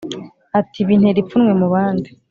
ati bintera ipfunwe mubandi